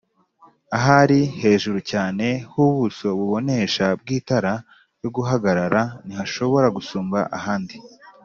Ahari hejuru cyane h ubuso bubonesha bw itara ryo guhagarara ntihashobora gusumba ahandi